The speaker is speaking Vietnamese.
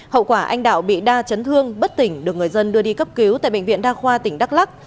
hậu quả anh đạo bị đa chấn thương bất tỉnh được người dân đưa đi cấp cứu tại bệnh viện đa khoa tỉnh đắk lắc